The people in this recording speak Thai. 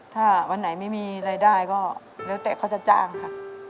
ถ้าวันไหนไม่มีรายได้ก็แล้วแต่เขาจะจ้างค่ะ